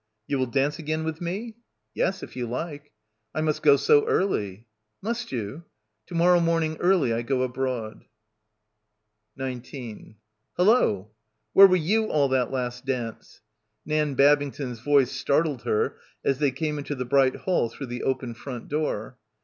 "You will dance again with me?" "Yes, if you like." "I must go so early." "Must go?" "To morrow morning early I go abroad." 6 5 PILGRIMAGE 19 "Hullo!" "Where were you all that last dance?" Nan Babington's voice startled her as they came into the bright hall through the open front door.